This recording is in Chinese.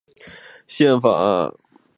宪法不保证各地区的议席数额。